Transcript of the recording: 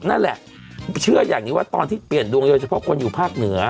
นั่นแหละเชื่ออย่างนี้ว่าตอนที่เปลี่ยนดวงโดยเฉพาะคนอยู่ภาคเหนือ